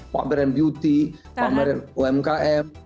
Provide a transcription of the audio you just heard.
pak beran beauty pak merin umkm